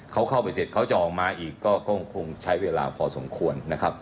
เขาเข้าไปเสร็จเขาจะออกมาอีกก็คงใช้เวลาพอสมควรนะครับ